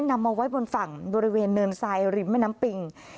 นำมาไว้บนฝั่งบริเวณเนินทรายริมแม่น้ำปิง